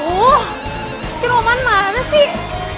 aduh si roman mana sih